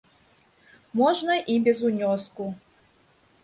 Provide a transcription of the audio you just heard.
Можна і без унёску.